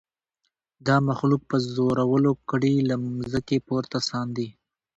د مخلوق په زورولو کړي له مځکي پورته ساندي